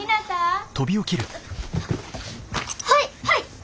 はい！